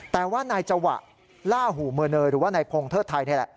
แต่ว่านายจวะลาหูเมอร์เนอร์หรือว่านายพงธเทศไทย